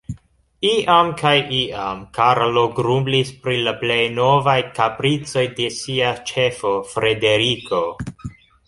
Iam kaj iam Karlo grumblis pri la plej novaj kapricoj de sia ĉefo, Frederiko.